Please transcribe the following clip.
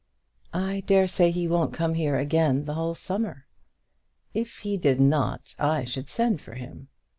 "I dare say he won't come here again the whole summer." "If he did not, I should send for him."